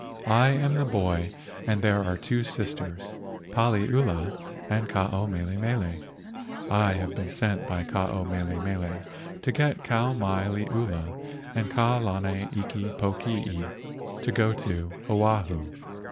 I am the boy and there are two sisters, Paliula and Ke ao mele mele. I have been sent by Ke ao mele mele to get Kau mai liula and Kau lana iki pokii to go to Oahu."